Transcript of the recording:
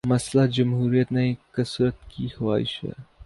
مسئلہ جمہوریت نہیں، کثرت کی خواہش ہے۔